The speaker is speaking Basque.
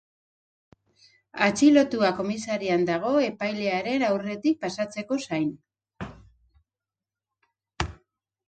Atxilotua komisarian dago epailearen aurretik pasatzeko zain.